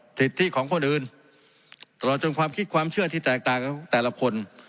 สิทธิของคนอื่นตลอดจนความคิดความเชื่อที่แตกต่างกับแต่ละคน